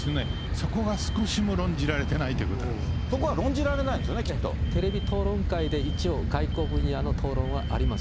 そこが少しも論じられていないとそこは論じられないんですよテレビ討論会で一応、外交分野の討論はあります。